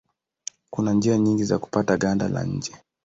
Kuna njia nyingi za kupata ganda la nje.